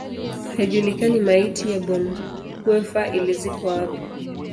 Haijulikani maiti ya Bonhoeffer ilizikwa wapi.